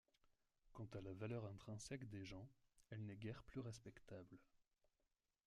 Quant à la valeur intrinsèque des gens, elle n’est guère plus respectable.